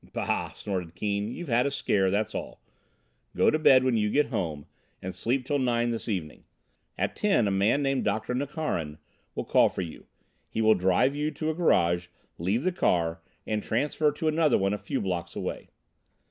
"Bah!" snorted Keane, "you've had a scare, that's all. Go to bed when you get home and sleep till nine this evening. At ten a man named Dr. Nukharin will call for you. He will drive you to a garage, leave the car, and transfer to another one a few blocks away.